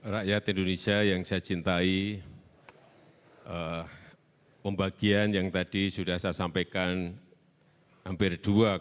rakyat indonesia yang saya cintai pembagian yang tadi sudah saya sampaikan hampir dua